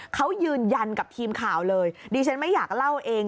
เขายืนยันกับทีมข่าวเลยดิฉันไม่อยากเล่าเอง